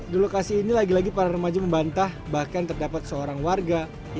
di lokasi ini lagi lagi para remaja membantah bahkan terdapat seorang warga